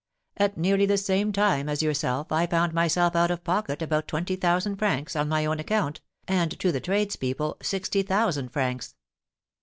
At nearly the same time as yourself I found myself out of pocket about twenty thousand francs on my own account, and, to the tradespeople, sixty thousand francs.